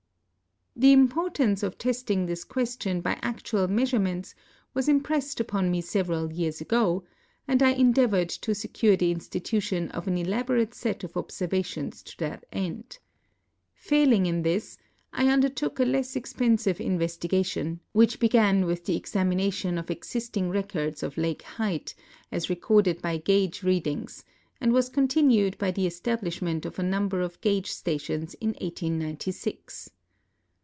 The imi)ortance of testing this question by actual measure ments was imi)rest uj)on me several years ago, and I endeavored to secure the institution of an elaborate set of observations to that end. Failing in this, I undertook a less expensive investi gation, which began with the examination of existing records of lake height as recorded by gage readings, and was continued by the establishment of a number of gage stations in l.Sl>6.